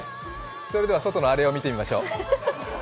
それでは外のアレを見てみましょう。